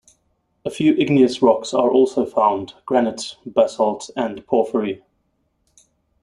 A few igneous rocks are also found: granite, basalt and porphyry.